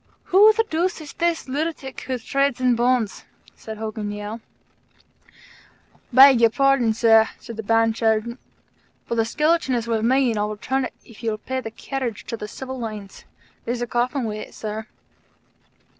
"Who the deuce is this lunatic who trades in bones?" said Hogan Yale. "Beg your pardon, Sir," said the Band Sergeant, "but the skeleton is with me, an' I'll return it if you'll pay the carriage into the Civil Lines. There's a coffin with it, Sir."